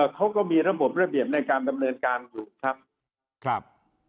เขาก็มีระบบระเบียบในการดำเนินการอยู่ครับ